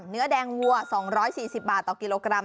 เนื้อแดงวัว๒๔๐บาทต่อกิโลกรัม